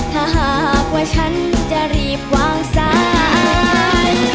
ถ้าหากว่าฉันจะรีบวางสาย